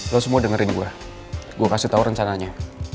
lo semua dengerin gue gue kasih tau rencananya